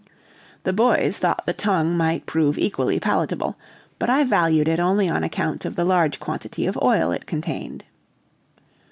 The boys thought the tongue might prove equally palatable, but I valued it only on account of the large quantity of oil it contained.